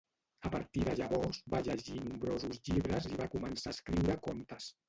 A partir de llavors va llegir nombrosos llibres i va començar a escriure contes.